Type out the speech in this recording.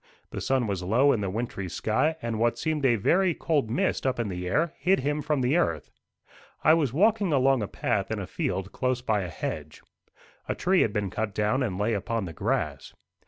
The sun was low in the wintry sky, and what seemed a very cold mist up in the air hid him from the earth. I was walking along a path in a field close by a hedge. A tree had been cut down, and lay upon the grass.